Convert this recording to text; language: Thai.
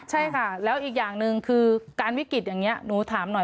ใช่ค่ะแล้วอีกอย่างหนึ่งคือการวิกฤตอย่างนี้หนูถามหน่อย